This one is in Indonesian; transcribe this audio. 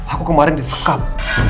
aku kemarin disekap